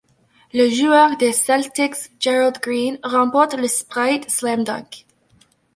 Le joueur des Celtics Gerald Green remporte le Sprite Slam Dunk.